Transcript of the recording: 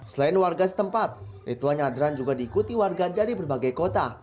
selain warga setempat ritual nyadran juga diikuti warga dari berbagai kota